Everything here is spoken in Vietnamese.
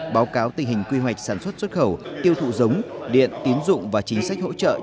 báo cáo tình hình quy hoạch sản xuất xuất khẩu tiêu thụ giống điện tín dụng và chính sách hỗ trợ